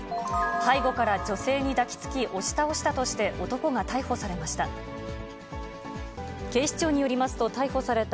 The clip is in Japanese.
背後から女性に抱きつき、押し倒したとして、男が逮捕されました。